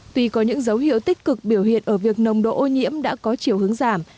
tuy có những dấu hiệu tích cực biểu hiện ở việc nồng độ ô nhiễm đã có chiều hướng giảm